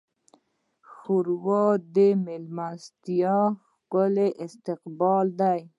ښوروا د میلمستیا ښکلی استقبال دی.